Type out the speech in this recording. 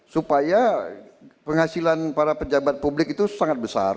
supaya penghasilan para pejabat publik itu sangat besar